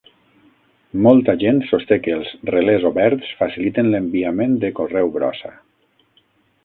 Molta gent sosté que els relés oberts faciliten l'enviament de correu brossa.